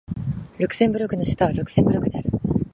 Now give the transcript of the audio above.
ルクセンブルクの首都はルクセンブルクである